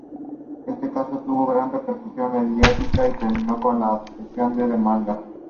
Este caso tuvo gran repercusión mediática, y terminó con la absolución del demandado.